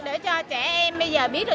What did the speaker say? để cho trẻ em bây giờ biết được